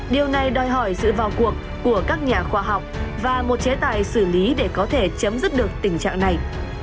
điều này đòi hỏi sự vào cuộc của các nhà khoa học và một chế tài xử lý để có thể chấm dứt được tình trạng này